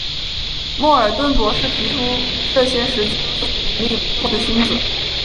莫尔顿博士提出这些实际都是引力捕获的星子。